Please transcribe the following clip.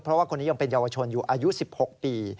เพราะว่าคนนี้ยังเป็นเยาวชนอยู่อายุ๑๖ปี